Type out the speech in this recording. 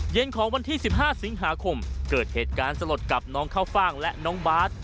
ของวันที่๑๕สิงหาคมเกิดเหตุการณ์สลดกับน้องข้าวฟ่างและน้องบาท